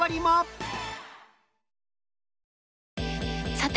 さて！